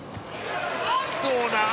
どうだ？